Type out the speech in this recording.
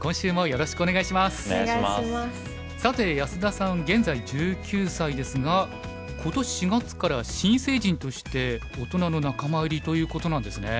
さて安田さん現在１９歳ですが今年４月から新成人として大人の仲間入りということなんですね。